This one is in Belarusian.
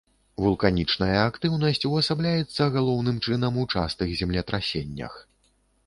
Вулканічная актыўнасць увасабляецца галоўным чынам у частых землетрасеннях.